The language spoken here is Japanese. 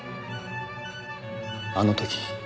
あの時。